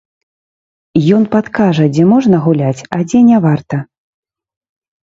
Ён падкажа, дзе можна гуляць, а дзе не варта.